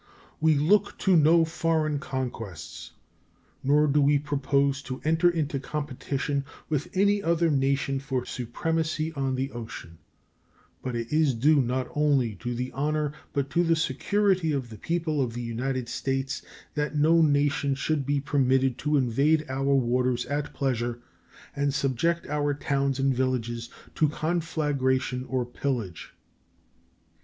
We look to no foreign conquests, nor do we propose to enter into competition with any other nation for supremacy on the ocean; but it is due not only to the honor but to the security of the people of the United States that no nation should be permitted to invade our waters at pleasure and subject our towns and villages to conflagration or pillage.